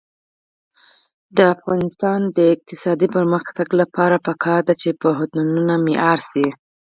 د افغانستان د اقتصادي پرمختګ لپاره پکار ده چې پوهنتونونه معیاري شي.